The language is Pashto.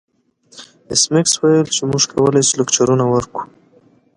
ایس میکس وویل چې موږ کولی شو لکچرونه ورکړو